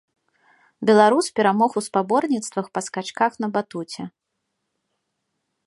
Беларус перамог у спаборніцтвах па скачках на батуце.